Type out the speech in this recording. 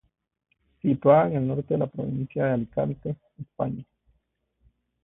Situada en el norte de la provincia de Alicante, España.